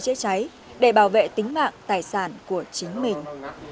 các lực lượng phòng cháy chữa cháy để bảo vệ tính mạng tài sản của chính mình